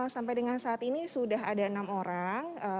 sampai dengan saat ini sudah ada enam orang